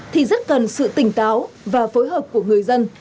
thì rất cần sự tỉnh táo và phối hợp của người dân